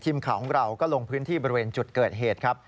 ทีมข่าวของเราก็ลงพื้นที่บริเวณจุดเกิดเหตุครับ